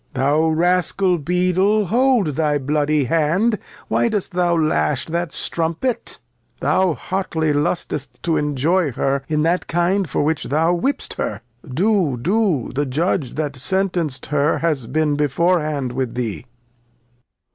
Thou Rascal, Beadle, hold up thy bloody Hand, why dost thou lash that Strumpet ? Thou Jiotly lust'st to enjoy her in that Kind for which thou whipst her ; do, do, the Judge that sentenc'd her has been before hand with thee.